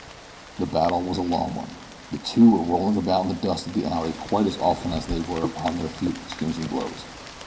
The battle was a long one. The two were rolling about in the dust of the alley quite as often as they were upon their feet exchanging blows.